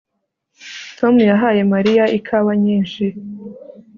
Tom yahaye Mariya ikawa nyinshi